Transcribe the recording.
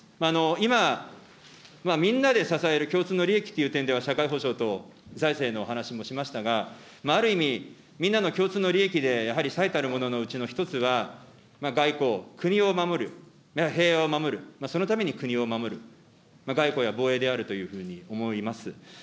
今は、みんなで支える共通の利益という点では社会保障と財政の話もしましたが、ある意味、みんなの共通の利益で、やはり最たるもののうちの１つは、外交、国を守る、平和を守る、そのために国を守る、外交や防衛であるというふうに思います。